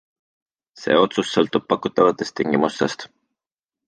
See otsus sõltub pakutavatest tingimustest.